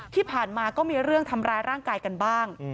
ที่ผ่านมาก็มีเรื่องทำร้ายร่างกายกันบ้าง